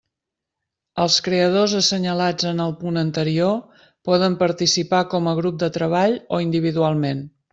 Els creadors assenyalats en el punt anterior poden participar com a grup de treball o individualment.